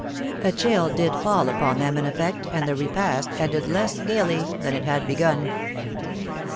A chill did fall upon them, in effect, and the repast ended less gayly than it had begun.